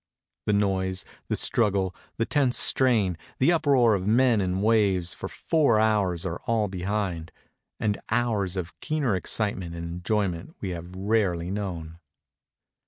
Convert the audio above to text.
The noise, the struggle, the tense strain, the uproar of men and waves for four hours are aU behind; and hours of keener excitement and enjoyment we have rarely known.